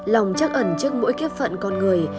lòng chắc ẩn trước mỗi kiếp phận con người